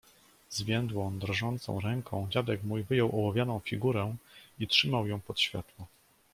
"Zwiędłą drżącą ręką dziadek mój wyjął ołowianą figurę i trzymał ją pod światło."